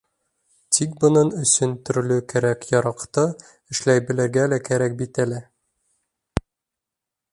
Тик бының өсөн төрлө кәрәк-яраҡты эшләй белергә лә кәрәк бит әле.